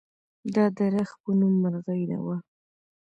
دا د رخ په نوم مرغۍ وه.